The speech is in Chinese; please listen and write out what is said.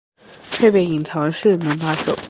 配备隐藏式门把手